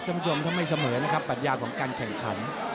ช่วงส่วนทั้งไม่เสมอนะครับปัญญาของการแข่งขัน